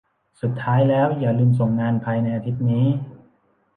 สุดท้ายแล้วอย่าลืมส่งงานภายในอาทิตย์นี้